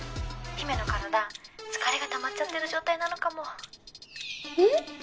☎陽芽の体疲れがたまっちゃってる状態なのかもえっ？